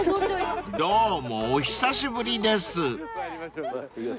［どうもお久しぶりです］